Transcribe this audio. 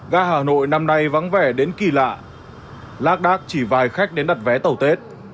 ga hà nội năm nay vắng vẻ đến kỳ lạ lác đác chỉ vài khách đến đặt vé tàu tết